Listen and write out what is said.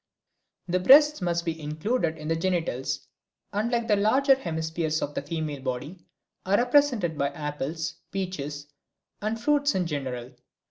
The breasts must be included in the genitals, and like the larger hemispheres of the female body are represented by apples, peaches and fruits in general.